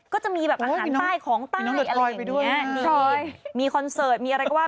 ก็จะมีแบบอาหารใต้ของใต้อะไรอย่างเงี้ยมีคอนเสิร์ตมีอะไรก็ว่า